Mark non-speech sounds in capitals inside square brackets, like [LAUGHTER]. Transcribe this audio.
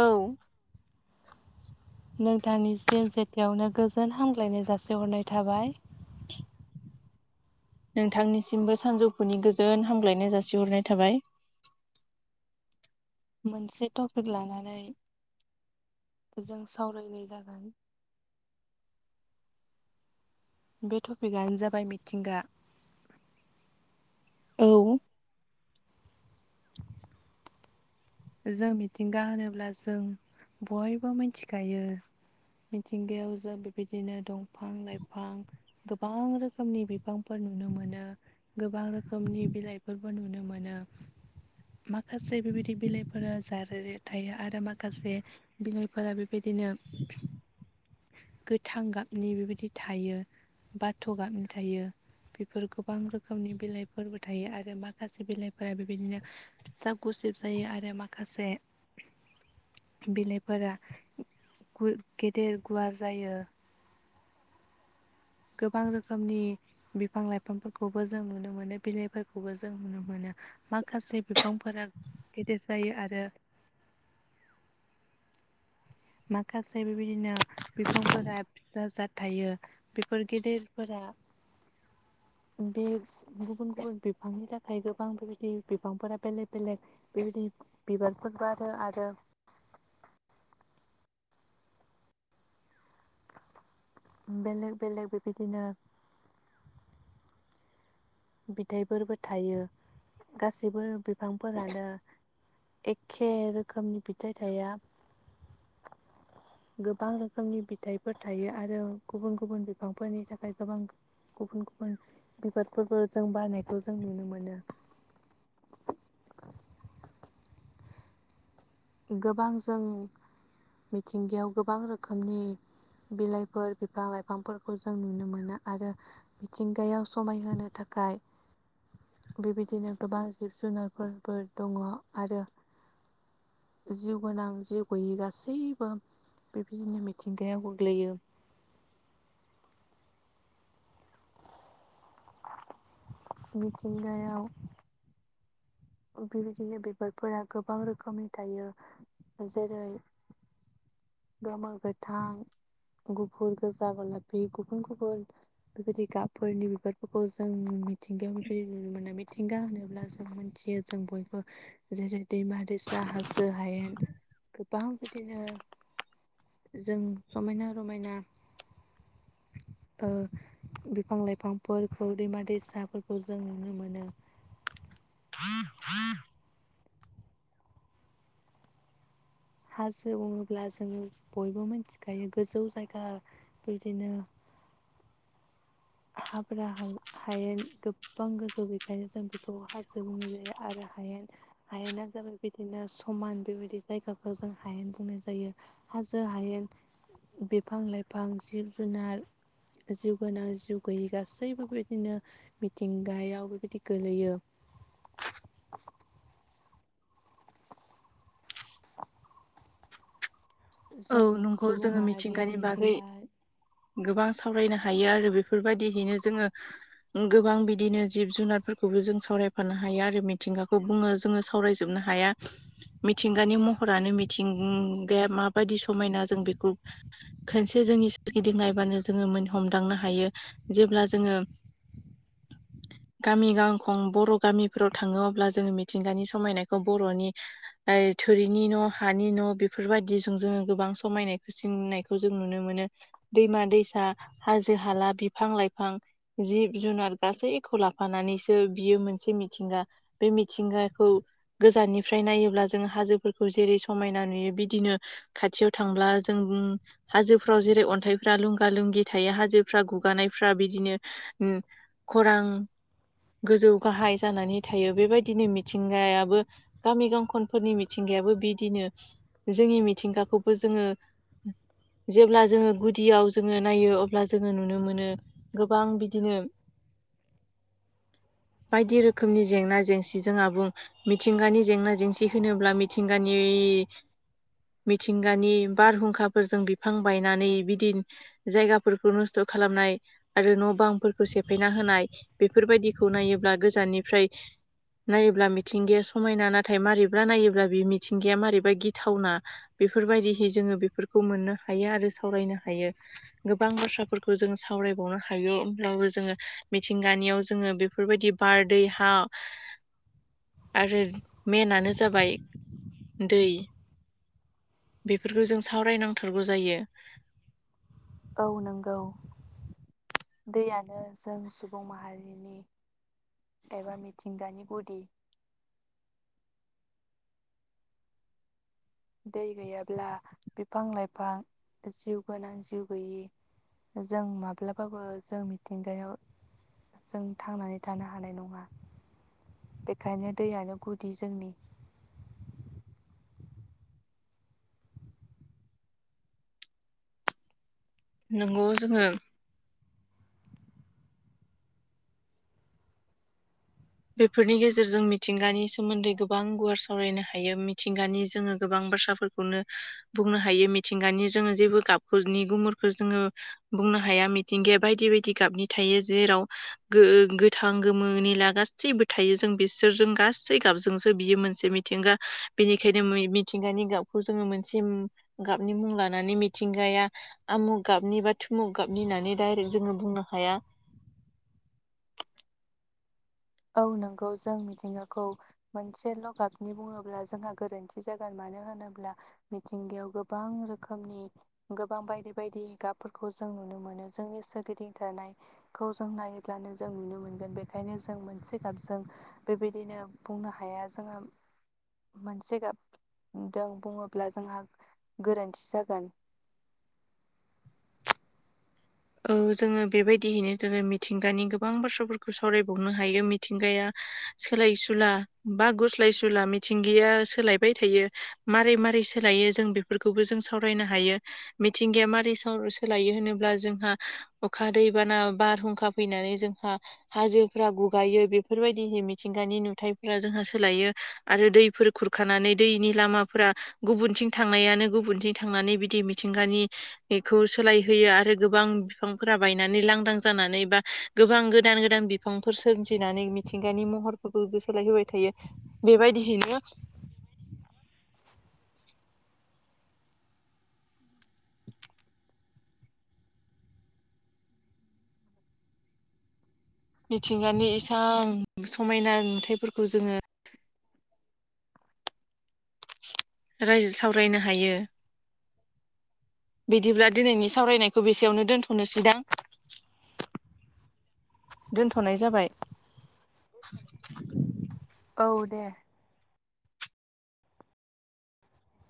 औ। नोंथांनि सिम सेटआवनो गोजोन हामग्लायनाय जासिहरनाय थाबाय। नोंथांनिसिमबो सानजौफुनि गोजोन हामग्लायनाय जासिहरनाय थाबाय। मोनसे टपिक लानानै। जों सावरायनाय जागोन। बे टपिकआनो जाबाय मिथिंगा औ। जों मिथिंगा होनोब्ला जों बयबो मिथिखायो। मिथिंगायाव जों बेबायदिनो दंफां-लाइफां। गोबां रोखोमनि बिफांफोर नुनो मोनो। गोबां रोखोमनि बिलाइफोरबो नुनो मोनो माखासे बेबायदि बिलाइ। फोर जारे थायो आरो माखासे बिलाइफोरा बेबायदिनो गोथां गाबनि बेबायदि थायो बाथ' गाबनि थायो। बेफोर गोबां रोखोमनि बिलाइफोरबो थायो आरो माखासे बिलाइफोरा बेबायदिनो फिसा गुस सिब जायो आरो माखासे बिलाइफोरा गेदेर गुवार जायो। गोबां रोखोमनि बिफां लाइफांफोरखौबो जों नुनो मोनो बिलाइफोरखौबो जों नुनो मोनो। माखासे बिफांफोरा गेदेर जायो आरो। माखासे बेबायदिनो बिफांफोरा फिसा जाथ बेफोर गेदेरफोरा। [INAUDIBLE] बे गुबुन गुबुन बिफांनि थाखाय गोबां बेबायदि बिफांफोरा बेलेग बेलेग बेबायदि। बिबारफोरबो आरो बेलेग बेलेग बेबायदिनो बिथाइफोरबो थायो गासिबो बिफांफोरानो। एखे रोखोमनि फिथाइ थाया। गोबां रोखोमनि बिथाइफोर थायो आरो गुबुन गुबुन बिफांफोरनि थाखाय गोबां गुबुन गुबुन बिबारफोरबो। जों बारनायखौ जों नुनो मोनो। गोबां जों मिथिंगायाव गोबां रोखोमनि। बिलाइफोर बिफां लाइफांफोरखौ जों नुनो मोनो आरो मिथिंगायाव समायहोनो थाखाय। [INAUDIBLE] बेबायदिनो गोबां जिब जुनारफोरबो दङ आरो। जिउ गोनां जिउ गैयि गासैबो बेबायदिनो मिथिंगायाव गोग्लैयो। [INAUDIBLE] मिथिंगायाव बेबायदिनो बिबारफोरा गोबां रोखोमनि थायो जेरै गामो गोथां। गुफुर गोजा गलाबि गुबुन गुबुन बेबायदि गाबफोरनि बिबारफोरखौ जों। मिथिंगायावदि नुनो मोनो मिथिंगा होनोब्ला जों मिथियो जों बयबो जेरै दैमा दै। हाजो हायेन गोबां बिदिनो जों समायना रमायना ओ बिफां लाइफांफोरखौ दैमा दैसाफोरखौ जों नुनो मोनो [INAUDIBLE] हाजो बुङोब्ला जोङो बयबो मिथिखायो गोजौ जायगा बिदिनो [INAUDIBLE] हाब्रा हायो गोबां गोजौ बेखायनो जों बेखौ हाजो बुंनाय जायो आरो हायेन हायेना जाबाय बिदिनो समान बेबायदि जायगाखौ जों हायेन बुंनाय जायो हाजो हायेन बिफां लाइफां जिब जुनार जिउ गोनां जिउ गैयि गासैबो बेबायदिनो मिथिंगायाव बेबायदि गोलैयो [INAUDIBLE] औ जों नंगौ सुबुं जोङो माहारिया मिथिंगानि बागै मिथिंगा गोबां सावरायनो हायो आरो बेफोरबायदिहैनो जोङो गोबां बिदिनो जिब जुनारफोरखौ खौबो जों सावरायफानो हायो आरो मिथिंगाखौ बुङो जोङो सावरायजोबनो हाया मिथिंगानि महरानो मिथिं माबायदि समायना जों बेखौ खोनसे जोंनिगिदिं नायबानो जोङो मोन हमदांनो हायो हायो जेब्ला जोङो [INAUDIBLE] गामि गांखं बर' गामिफोराव थाङो अब्ला जोंङो मिथिंगानि समायनायखौ बर'नि थोरिनि न हानि न' बे बेफोरबायदि जों जोङो गोबां समायनायखौसिननायखौ जों नुनो मोनो दैमा दैसा हाजो हाला बिफां लाइफां जिब जुनार गासैखौ लाफानानैसो बियो मोनसे मिथिं गा बे मिथिंगाखौ गोजाननिफ्राय नायोब्ला जोंङो हाजोफोरखौ जेरै समायना नुयो बिदि बिदिनो खाथियाव थांब्ला जों हाजोफ्राव जेरै अन्थाइफ्रा लुंगा लुंगि थायो हाजो फ्रा गुगानायफ्रा बिदिनो खरां गोजौ गाहाय जानानै थायो बेबायदिनो मिथिंगायाबो गामि गांखनफोरनि मिथिं बो बिदिनो जोंनि मिथिंगाखौबो जोङो जेब्ला जोङो गुदियाव जोङो नायो अब्ला जोङो नुनो मोनो गोबां बिदिनो [INAUDIBLE] बायदि रोखोमनि जेंना जेंसिजों आबुं मिथिंगानि जेंना जेंसि होनोब्ला मिथिंगानि बे [INAUDIBLE] मिथिंगानि बारहुंखाफोरजों बिफां बायनानै बिदि जायगाफोरखौ नस्थ' खालामनानै आरो न' बांफोरखौ सेफायना होनाय बेफोरबायदिखौ नायोब्ला गोजाननिफ्राय नायोब्ला मिथिंगाया समायना नाथाय मारैब्रा नायोब्ला बि मिथिंगाया मारैबा गिद थावना बेफोरबायदिहै जोङो बेफोरखौ मोननो हायो आरो सावरायनो हायो गोबां बाथ्रा बाथ्राफोरखौ जों सावरायबावनो हायो होमब्लाबो जोङो मिथिंगानियाव जोङो बेफोरबायदि बार दै हा [INAUDIBLE] आरो मेनानो जाबाय दै बेफोरखौ जों सावरायनांथारगौ जायो औ नंगौ दैयानो जों सुबुं माहारिनि एबा मिथिंगानि गुदि दै गैयाब्ला बिफां लाइफां जिउ गोनां जिउ गैयि जों माब्लाबाबो जों मिथिंगायाव जों थांनानै थानो हानाय नङा बेखायनो दैयानो गुदि जोंनि नंगौ जोङो बेफोरनि गेजेरजों मिथिंगानि सोमोन्दै गोबां गुवार सावरायनो हायो मिथिंगानि जोङो गोबां बाथ्राफोरखौनो बुंनो हायो मिथिंगानि जोङो जेबो गाबनि गुमुरखौ जोङो मिथिंगाया बायदि बायदि गाबनि थायो जेराव गोथां गोमो निला गास जेबो थायो जों बिसोरजों गासै गाबजोंसो बियो मोनसे मिथिंगा बेनिखायनो मिथिंगानि। गाबखौ जोङो मोनसे गाबनि मुं लानानै मिथिंगाया आमुग गाबनि बा थुमुग गाबनिनानै डायरेक्ट जोङो बुंनो हाया। [INAUDIBLE] औ नंगौ जों मिथिंगाखौ मोनसेल' गाबनि बुङोब्ला जोंहा गोरोन्थि जागोन माने मानो होनोब्ला मिथिंगायाव गोबां रोखोमनि गोबां बायदि बायदि गाबफोरखौ जों। नुनो मोनो जोंनि सोरगिदिं थानायखौ जों नायोब्लानो जों नुनो मोनगोन बेनिखायनो जों मोनसे मोनसे गाबजों बेबायदिनो बुंनो हाया जोंहा मोनसे गाब दों बुङोब्ला जोंहा गोरोन्थि जागोन [INAUDIBLE] औ जोङो बेबायदियैनो जोङो मिथिंगानि गोबां बाथ्राफोरखौ सावरायबावनो हायो मिथिंगाया। सोलाय सुला बा गुस्लाय सुला मिथिंगाया सोलायबाय थायो मारै मारै। सोलायो जों बेफोरखौबो जों सावरायनो हायो मिथिंगाया मारै सोलायो होनोब्ला जोंहा। अखा दैबाना बारहुंखा फैनानै जोंहा हाजोफ्रा गुगायो बेफोर बायदि मिथिंगानि नुथायफोरा जोंहा सोलायो आरो दैफोर खुरखानानै दैनि लामाफोरा गुब गुबुनथिं थांनायानो गुबुनथिं थांनानै बिदि मिथिंगानिखौ सोलायहोयो आरो गोबां। बिफांफोरा बायनानै लांदां जानानै बा गोबां गोदान गोदान बिफांफोर सोरजिनानै मिथिंगानि मुं। महर सोलाय होबाय थायो बे बायदियैनो बेबायदि मिथिंगानि इसां समायना नुथाइफोरखौ जोङो। रायजो सावरायनो हायो बिदिब्ला दिनैनि सावरायनायखौ बेसेयावनो दोनथ'नोसैदां? दोनथ'नाय जाबाय। औ दे।